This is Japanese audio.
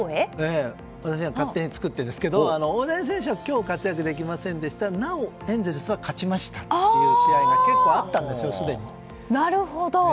私が勝手に作っているんですが大谷選手は今日、活躍できませんでしたなおエンゼルスが勝ちましたという試合が結構あったんです、すでに。